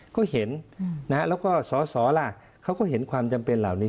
ก็เห็นแล้วก็สอสอล่ะเขาก็เห็นความจำเป็นเหล่านี้